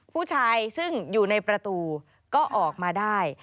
ผู้ชายซึ่งอยู่ในประตูก็ออกมาได้